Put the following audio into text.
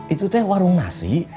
itu teh warung nasi